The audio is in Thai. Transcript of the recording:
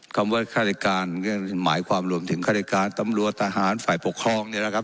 คำว่าฆาติการก็หมายความรวมถึงฆาติการตำรวจทหารฝ่ายปกครองเนี่ยนะครับ